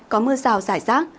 có mưa rào rải rác